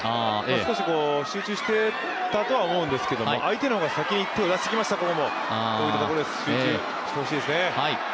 少し、集中していたとは思うんですけど相手の方が先に手を出したので、こういったところでも集中してほしいですね。